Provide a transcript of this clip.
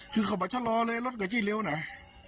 ที่เขาก็ชะล้อเลยรถรถสิเนี๊ยวหน่า